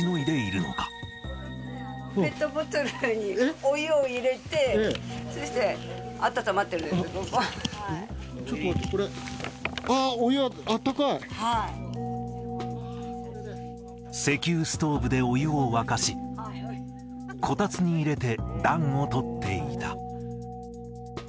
ペットボトルにお湯を入れて、そして、ちょっと待って、これ、あっ、石油ストーブでお湯を沸かし、こたつに入れて、暖をとっていた。